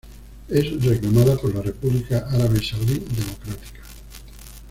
Es reclamada por la República Árabe Saharaui Democrática.